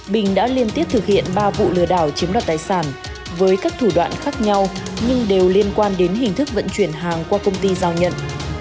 bình đã liên tiếp thực hiện ba vụ lừa đảo chiếm đoạt tài sản với các thủ đoạn khác nhau nhưng đều liên quan đến hình thức vận chuyển hàng qua công ty giao nhận